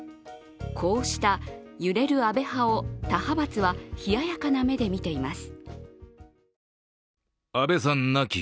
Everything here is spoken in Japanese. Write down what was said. こうした揺れる安倍派を他派閥は冷ややかな目で見ています。